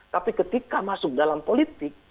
tapi ketika masuk dalam politik